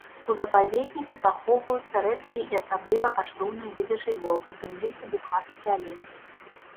У запаведніку захоўваюцца рэдкія і асабліва каштоўныя віды жывёл, у тым ліку бухарскі алень.